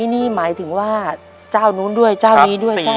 ๑๑๐๐นี่หมายถึงว่าเจ้านู้นด้วยเจ้านี้ด้วยเจ้านี้ด้วย